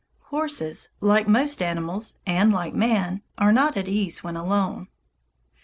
Horses, like most animals and like man, are not at ease when alone.